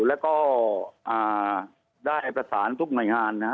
แล้วก็ได้ประสานทุกหน่วยงานนะฮะ